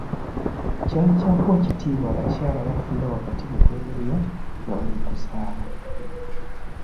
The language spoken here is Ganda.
Kyali kya kuwa kitiibwa abakyala abafiira wakati mu kulemererwa nga bali mu kuzaala.